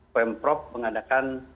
pm prof mengadakan